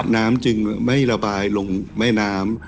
น้ำจึงไม่ระบายลงแม่น้ำ